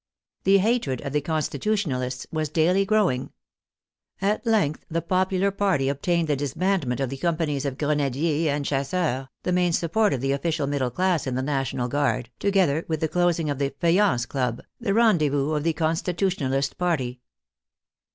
The hatred of the Constitutionalists was daily growing. At length the popular party obtained the dis bandment of the companies of Grenadiers and Chas seurs, the main support of the official middle class in the National Guard, together with the closing of the Feuillants' Club, the rendezvous of the Constitutionalist party.